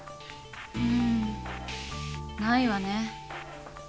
うんないわね。